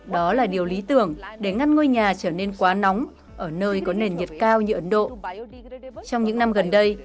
đó là điều lý tưởng để ngăn ngôi nhà trở nên quá nóng ở nơi có nền nhiệt cao như ấn độ trong những năm gần đây